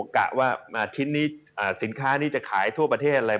กะว่าสินค้านี้จะขายทั่วประเทศอะไร